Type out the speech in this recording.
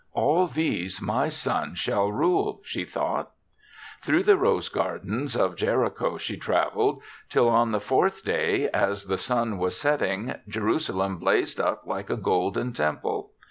' All these my son shall rule/ she thought. "Through the rose gardens of Jericho she traveled, till on the fourth day, as the sun was setting, Jerusa lem blazed up like a golden temple.